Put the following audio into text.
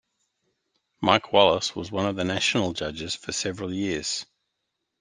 Mike Wallace was one of the national judges for several years.